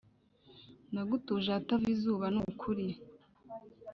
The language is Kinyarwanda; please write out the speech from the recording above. Nagutuje ahatava izuba nukuri